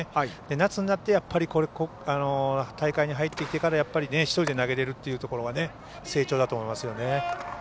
夏になって大会に入ってきてから１人で投げれるというところは成長だと思います。